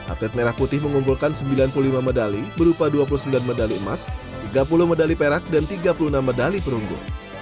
atlet merah putih mengumpulkan sembilan puluh lima medali berupa dua puluh sembilan medali emas tiga puluh medali perak dan tiga puluh enam medali perunggu